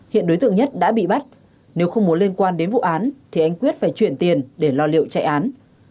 hiện đối tượng nhất đã bị bắt nếu không muốn liên quan đến vụ án thì anh quyết phải chuyển tiền để lo liệu chạy án